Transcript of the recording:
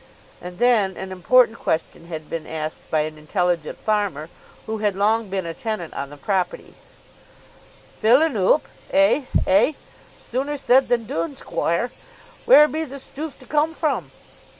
And then an important question had been asked by an intelligent farmer who had long been a tenant on the property; "Fill un oop; eh, eh; sooner said than doone, squoire. Where be the stoof to come from?"